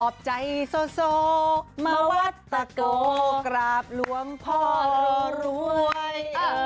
หอบใจโซโซมาวัดตะโกกราบรวมพ่อรวย